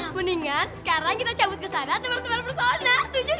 mendingan sekarang kita cabut ke sana teman teman persona setuju